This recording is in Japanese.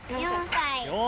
４歳？